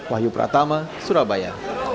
wahyu pratama surabaya